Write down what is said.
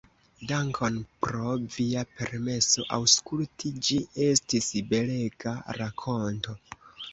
Dankon pro via permeso aŭskulti, ĝi estis belega rakonto.